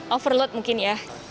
overload mungkin ya